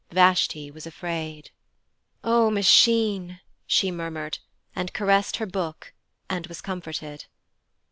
Vashti was afraid. 'O Machine!' she murmured, and caressed her Book, and was comforted.